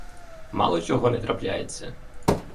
Мало чого не трапляється?